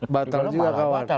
batal juga kawan